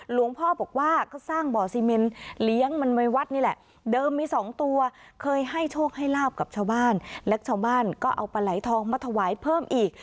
หลวงพ่อบอกว่าก็สร้างบ่อซีเมนเลี้ยงมันไว้วัดนี่แหละเดิมมีสองตัวเคยให้โชคให้ลาบกับชาวบ้านและชาวบ้านก็เอาปลาไหลทองมาถวายเพิ่มอีก